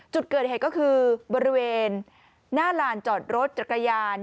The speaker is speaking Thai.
จุดเกิดเหตุก็คือบริเวณหน้าลานจอดรถจักรยาน